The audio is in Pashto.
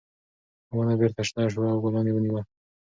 ونه بېرته شنه شوه او ګلان یې ونیول.